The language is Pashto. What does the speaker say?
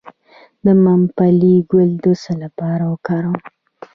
د ممپلی ګل د څه لپاره وکاروم؟